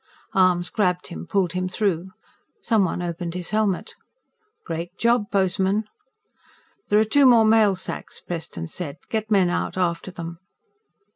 Arms grabbed him, pulled him through. Someone opened his helmet. "Great job, Postman!" "There are two more mail sacks," Preston said. "Get men out after them."